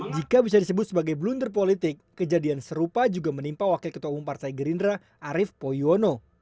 jika bisa disebut sebagai blunder politik kejadian serupa juga menimpa wakil ketua umum partai gerindra arief poyono